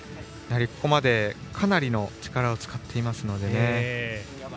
ここまでかなりの力を使っていますのでね。